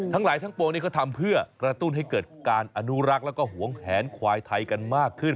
ทั้งหลายทั้งปวงนี้เขาทำเพื่อกระตุ้นให้เกิดการอนุรักษ์แล้วก็หวงแหนควายไทยกันมากขึ้น